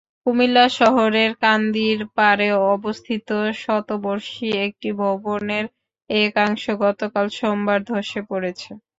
কুমিল্লা শহরের কান্দিরপাড়ে অবস্থিত শতবর্ষী একটি ভবনের একাংশ গতকাল সোমবার ধসে পড়েছে।